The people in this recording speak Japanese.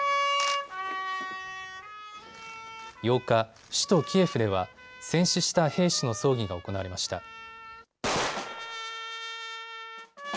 ８日、首都キエフでは戦死した兵士の葬儀が行われました。